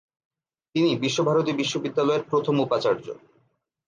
তিনি বিশ্বভারতী বিশ্ববিদ্যালয়ের প্রথম উপাচার্য।